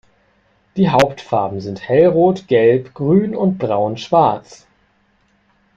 Die Hauptfarben sind Hellrot, Gelb, Grün und Braunschwarz.